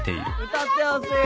歌ってほしい